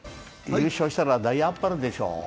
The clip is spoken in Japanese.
優勝したら大あっぱれでしょう。